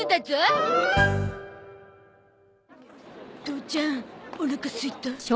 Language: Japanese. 父ちゃんおなかすいた。